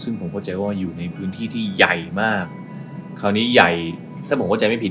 ซึ่งผมเข้าใจว่าอยู่ในพื้นที่ที่ใหญ่มากคราวนี้ใหญ่ถ้าผมเข้าใจไม่ผิด